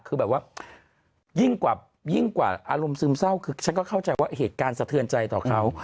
คือแบบว่ายิ่งกว่ายิ่งกว่าอารมณ์ซึมเศร้าคือฉันก็เข้าใจว่าเหตุการณ์สะเทือนใจต่อเขา